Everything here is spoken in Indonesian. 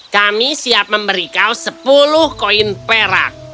kami siap memberi kau sepuluh koin perak